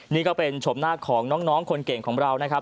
นี่ก็เป็นชมหน้าของน้องคนเก่งของเรานะครับ